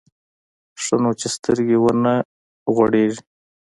ښه نو چې سترګې ونه غړېږي.